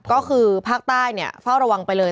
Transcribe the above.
ก็คือภาคใต้เนี่ยเฝ้าระวังไปเลย